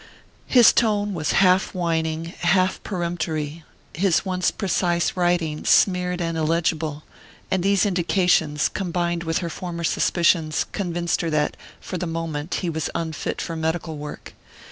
His tone was half whining, half peremptory, his once precise writing smeared and illegible; and these indications, combined with her former suspicions, convinced her that, for the moment, he was unfit for medical work.